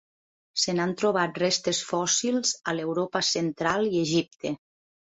Se n'han trobat restes fòssils a l'Europa Central i Egipte.